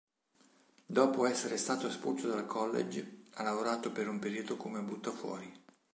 Dopo essere stato espulso dal college, ha lavorato per un periodo come buttafuori.